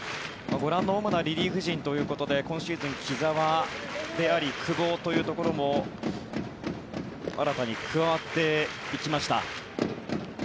ご覧の主なリリーフ陣ということで今シーズン木澤であり、久保というところも新たに加わっていきました。